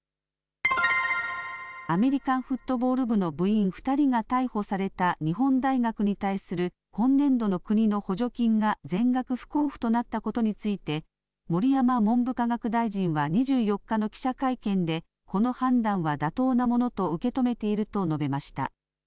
アメリカンフットボール部の部員２人が逮捕された、日本大学に対する今年度の国の補助金が全額不交付となったことについて、盛山文部科学大臣は２４日の記者会見で、この判断は妥当なものと受け止めていると述べました。